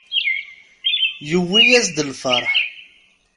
Yewwi-as-d lferḥ.